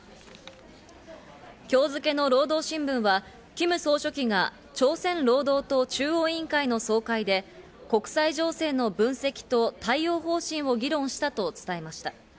今日付の労働新聞はキム総書記が朝鮮労働党中央委員会の総会で、国際情勢の分析と対応方針を議論したと伝えました。